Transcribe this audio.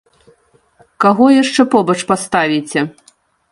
Каго яшчэ побач паставіце?